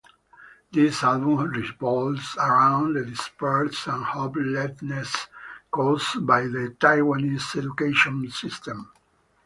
This album revolves around the despair and hopelessness caused by the Taiwanese education system.